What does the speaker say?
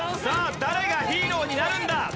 さあ誰がヒーローになるんだ？